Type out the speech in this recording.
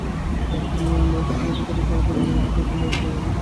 Next চেপে পরের ধাপে গেলে নিরাপত্তার জন্য চাইলে পাসওয়ার্ড দিয়ে রাখতে পারেন।